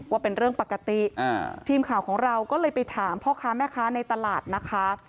ว่าเป็นเรื่องปกติทีมข่าวของเราก็เลยไปถามพ่อค้าแม่ค้าในตลาดนะคะ